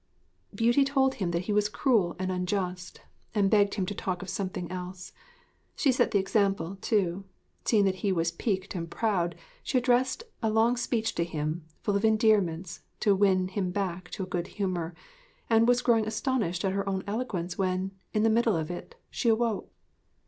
Beauty told him that he was cruel and unjust, and begged him to talk of something else. She set the example, too. Seeing that he was piqued and proud, she addressed a long speech to him, full of endearments, to win him back to a good humour, and was growing astonished at her own eloquence when, in the middle of it, she awoke.